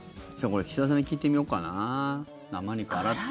これ岸田さんに聞いてみようかな。